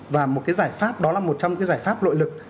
và một cái giải pháp đó là một trong cái giải pháp nội lực